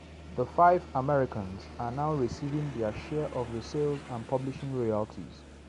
The Five Americans are now receiving their share of the sales and publishing royalties.